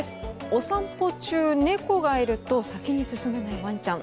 お散歩中、猫がいると先に進めないワンちゃん。